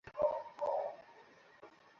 লোকেরা দল বেঁধে এ পথে যাতায়াত করত।